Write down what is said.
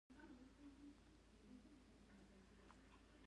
سوالګر له ماشومتوبه سوال ته اړ شوی وي